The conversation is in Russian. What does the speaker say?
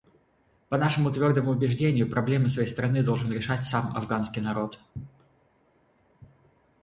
По нашему твердому убеждению, проблемы своей страны должен решать сам афганский народ.